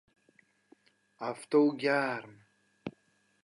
آفتاب گرم